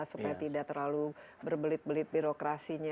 supaya tidak terlalu berbelit belit birokrasinya